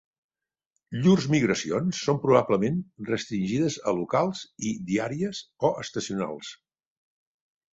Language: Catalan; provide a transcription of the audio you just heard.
Llurs migracions són probablement restringides a locals i diàries o estacionals.